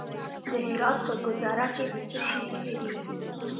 د هرات په ګذره کې د څه شي نښې دي؟